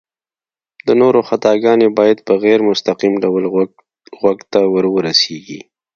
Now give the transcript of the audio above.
د نورو خطاګانې بايد په غير مستقيم ډول غوږ ته ورورسيږي